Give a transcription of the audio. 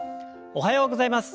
おはようございます。